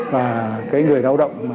và cái người lao động